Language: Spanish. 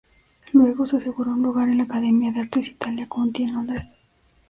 Luego, se aseguró un lugar en la Academia de Artes Italia Conti en Londres.